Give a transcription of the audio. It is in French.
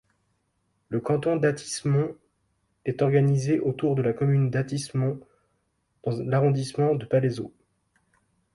Le canton d’Athis-Mons est organisé autour de la commune d’Athis-Mons dans l’arrondissement de Palaiseau.